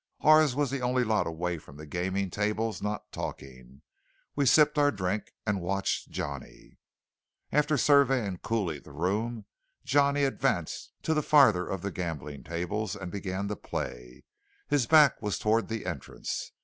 Ours was the only lot away from the gaming tables not talking. We sipped our drink and watched Johnny. After surveying coolly the room, Johnny advanced to the farther of the gambling tables, and began to play. His back was toward the entrance.